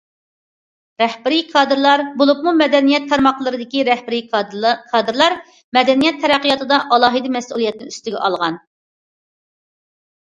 رەھبىرىي كادىرلار، بولۇپمۇ مەدەنىيەت تارماقلىرىدىكى رەھبىرىي كادىرلار مەدەنىيەت تەرەققىياتىدا ئالاھىدە مەسئۇلىيەتنى ئۈستىگە ئالغان.